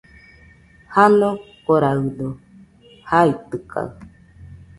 Janokoraɨdo jaitɨkaɨ.